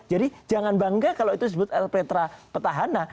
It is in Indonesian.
jadi jangan bangga kalau itu disebut rptr petahana